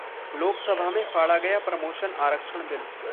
लोकसभा में फाड़ा गया प्रमोशन आरक्षण बिल